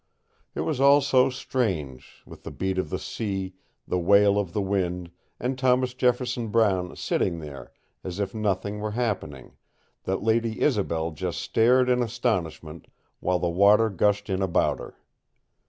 It was all so strange, with the beat of the sea, the wail of the wind, and Thomas Jefferson Brown sitting there as if nothing were happening, that Lady Isobel just stared in astonishment, while the water gushed in about her.